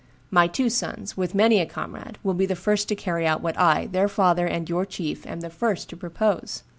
My two sons, with many a comrade. will be the first to carry out what I, their father and your chief, am the first to propose.